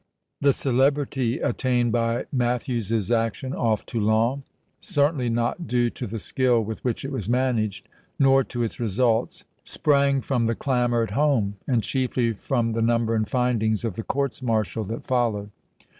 The celebrity attained by Matthews's action off Toulon, certainly not due to the skill with which it was managed, nor to its results, sprang from the clamor at home, and chiefly from the number and findings of the courts martial that followed.